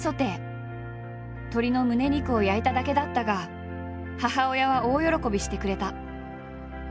鳥のむね肉を焼いただけだったが母親は大喜びしてくれた。